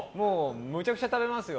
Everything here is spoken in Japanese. むちゃくちゃ食べますよ。